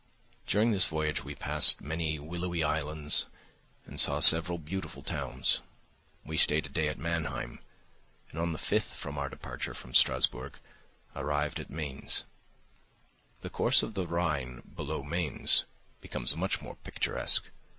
During this voyage we passed many willowy islands and saw several beautiful towns. We stayed a day at Mannheim, and on the fifth from our departure from Strasburgh, arrived at Mainz. The course of the Rhine below Mainz becomes much more picturesque.